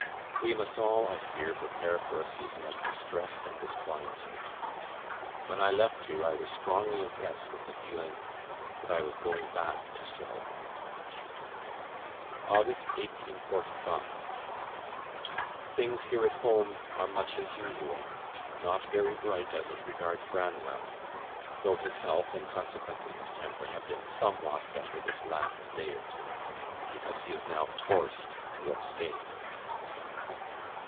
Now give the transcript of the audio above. We must all, I fear, prepare for a season of distress and disquietude. When I left you, I was strongly impressed with the feeling that I was going back to sorrow." "August, 1845. "Things here at home are much as usual; not very bright as it regards Branwell, though his health, and consequently his temper, have been somewhat better this last day or two, because he is now forced to abstain."